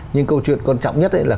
nhưng câu chuyện quan trọng nhất là